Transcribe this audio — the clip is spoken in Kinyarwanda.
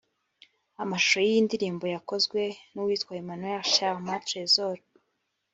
Amashusho y’iyi ndirimbo yakozwe n’uwitwa Emmanuel Sherma Tresor